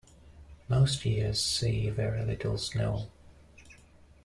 Most years see very little snow.